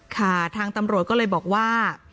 ค่ะทางตำรวจก็เลยบอกว่า